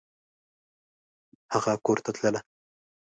هغه کورته تلله !